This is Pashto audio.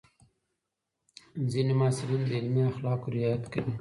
ځینې محصلین د علمي اخلاقو رعایت کوي.